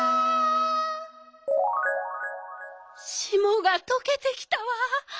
しもがとけてきたわ。